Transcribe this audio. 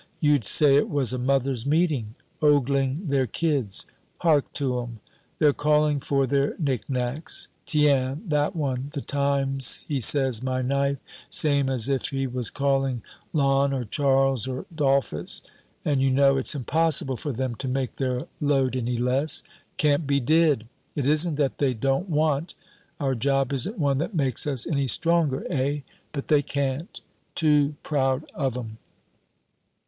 You'd say it was a mothers' meeting, ogling their kids. Hark to 'em. They're calling for their knick knacks. Tiens, that one, the times he says 'My knife!' same as if he was calling 'Lon,' or 'Charles,' or 'Dolphus.' And you know it's impossible for them to make their load any less. Can't be did. It isn't that they don't want our job isn't one that makes us any stronger, eh? But they can't. Too proud of 'em."